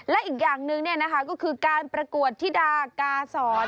และอีกอย่างนึงนะคะก็คือการประกวดทิดากสร